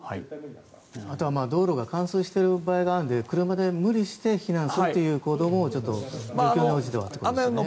あとは道路が冠水している場合があるので車で無理して避難するという行動も状況に応じてはということですね。